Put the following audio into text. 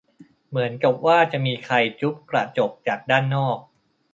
เหมือนกับว่ามีใครจุ๊บกระจกจากด้านนอก